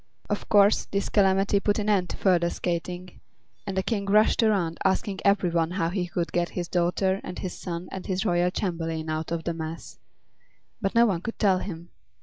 Of course, this calamity put an end to further skating, and the King rushed around asking every one how he could get his daughter and his son and his royal chamberlain out of the mass. But no one could tell him.